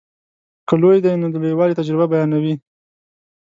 که لوی دی نو د لویوالي تجربه بیانوي.